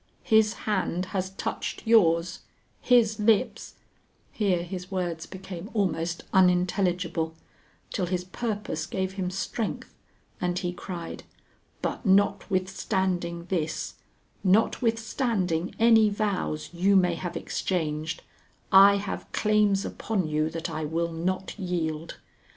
His hand has touched yours, his lips " Here his words became almost unintelligible till his purpose gave him strength, and he cried: "But notwithstanding this, notwithstanding any vows you may have exchanged, I have claims upon you that I will not yield.